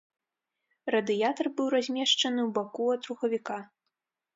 Радыятар быў размешчаны ў баку ад рухавіка.